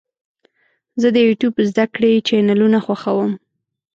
زه د یوټیوب زده کړې چینلونه خوښوم.